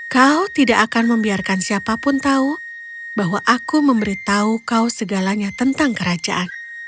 kau tidak akan membiarkan siapapun tahu bahwa aku memberitahu kau segalanya tentang kerajaan